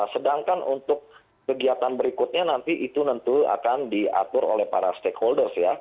sedangkan untuk kegiatan berikutnya nanti itu tentu akan diatur oleh para stakeholders ya